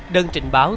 đơn trình báo